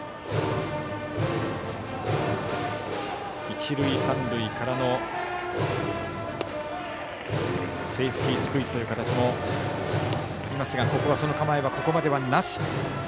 一塁三塁からのセーフティースクイズという形もありますがその構えは、ここまではなし。